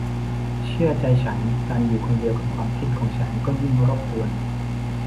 เชื่อใจฉันการอยู่คนเดียวกับความคิดของฉันก็ยิ่งรบกวน